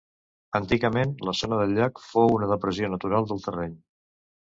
Antigament la zona del llac fou una depressió natural del terreny.